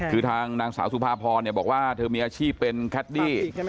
คือทางนางสาวสุภาพรบอกว่าเธอมีอาชีพเป็นแคดดี้